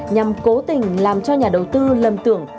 nhằm cố tình làm cho nhà đầu tư lầm tưởng